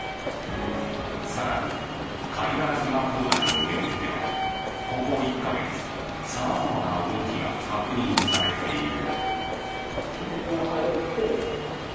更に、貝殻島灯台を巡ってはここ１か月、様々な動きが確認されている。